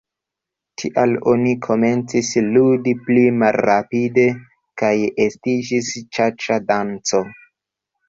Tial oni komencis ludi pli malrapide kaj estiĝis ĉaĉa-danco.